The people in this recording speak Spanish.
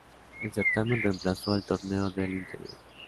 El certamen reemplazó al Torneo del Interior.